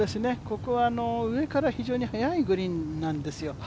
ここは上から非常に速いグリーンなんですよ。